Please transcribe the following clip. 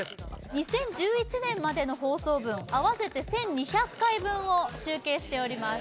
２０１１年までの放送分合わせて１２００回分を集計しております